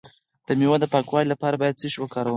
د میوو د پاکوالي لپاره باید څه شی وکاروم؟